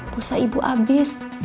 pulsa ibu abis